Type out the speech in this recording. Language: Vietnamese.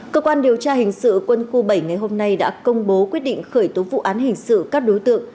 cơ quan điều tra hình sự quân khu bảy ngày hôm nay đã công bố quyết định khởi tố vụ án hình sự các đối tượng